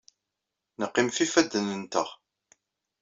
Neqqim ɣef yifadden-nteɣ.